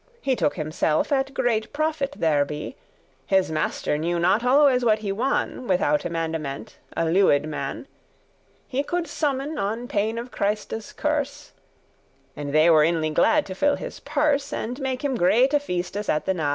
*informers He took himself at great profit thereby: His master knew not always what he wan.* *won Withoute mandement, a lewed* man *ignorant He could summon, on pain of Christe's curse, And they were inly glad to fill his purse, And make him greate feastes at the nale.